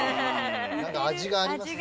なんか味がありますね。